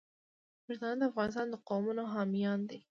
پښتانه د افغانستان د قومونو حامیان دي.